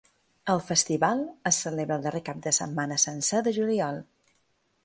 El festival es celebra el darrer cap de setmana sencer de juliol.